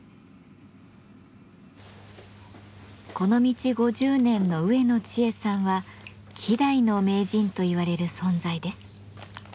この道５０年の植野知恵さんは希代の名人といわれる存在です。